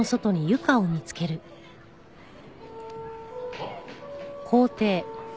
あっ！